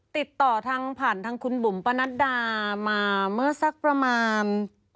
ติดต่อทางผ่านทางคุณบุ๋มปะนัดดามาเมื่อสักประมาณ